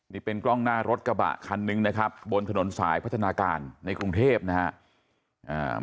นี่เป็นกล้องหน้ารถกระบะคันนึงนะครับบนถนนสายพัฒนาการในกรุงเทพนะครับ